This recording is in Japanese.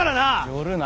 寄るな！